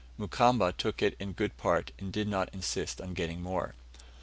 Mukamba took it in good part, and did not insist on getting more.